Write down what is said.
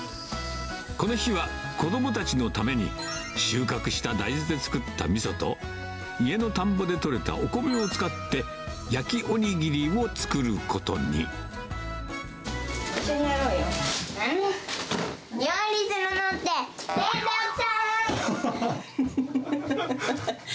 この日は子どもたちのために、収穫した大豆で作ったみそと、家の田んぼで取れたお米を使って、一緒にやろうよ。